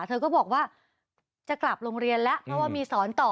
เธอก็บอกว่าจะกลับโรงเรียนแล้วเพราะว่ามีสอนต่อ